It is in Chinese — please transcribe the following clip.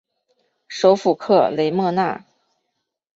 首府克雷莫纳。